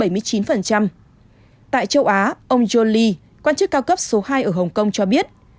tại châu á ông johne lee quan chức cao cấp số hai ở hồng kông cho biết